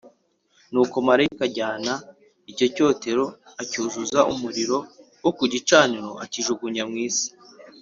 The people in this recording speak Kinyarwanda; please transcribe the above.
Nuko marayika ajyana icyo cyotero acyuzuza umuriro wo ku gicaniro akijugunya mu isi,